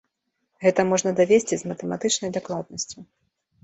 Гэта можна давесці з матэматычнай дакладнасцю.